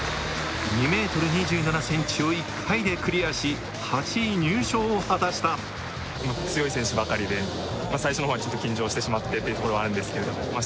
２ｍ２７ｃｍを１回でクリアし８位入賞を果たした強い選手ばかりで最初の方はちょっと緊張してしまってってところはあるんですけどまあ